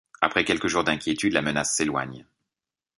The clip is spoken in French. Après quelques jours d’inquiétude, la menace s’éloigne.